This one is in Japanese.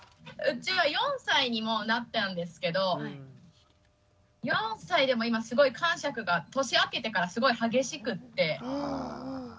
うちは４歳にもうなったんですけど４歳でも今すごいかんしゃくが年明けてからすごい激しくって。